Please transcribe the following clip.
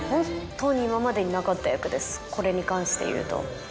これに関して言うと。